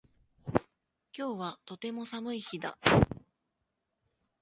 今日はとても寒い日だ